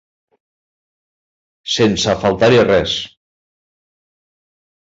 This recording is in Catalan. Sense faltar-hi res.